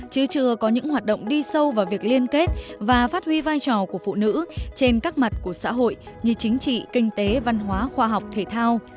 chứ chưa có những hoạt động đi sâu vào việc liên kết và phát huy vai trò của phụ nữ trên các mặt của xã hội như chính trị kinh tế văn hóa khoa học thể thao